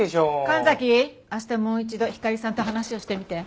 神崎明日もう一度ひかりさんと話をしてみて。